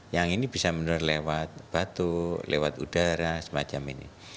yang ini bisa menurun lewat batu lewat udara semacam ini